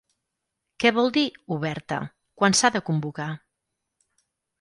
Què vol dir, ‘oberta’? Quan s’ha de convocar ?